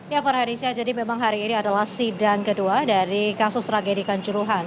ya farhadisya jadi memang hari ini adalah sidang kedua dari kasus tragedi kanjuruhan